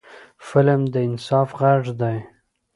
فلم د انصاف غږ دی